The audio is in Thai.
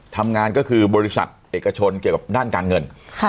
ทำงานก็คือบริษัทเอกชนเกี่ยวกับด้านการเงิน